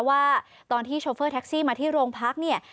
ว่าตอนที่โชเฟอร์แท็กซี่มาที่โรงพักเนี่ย